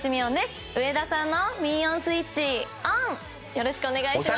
よろしくお願いします。